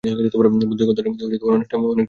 বোধ হয় কথাটার মধ্যে অনেকটা সত্য আছে।